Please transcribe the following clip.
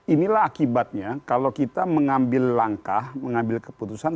inilah akibatnya kalau kita mengambil langkah mengambil keputusan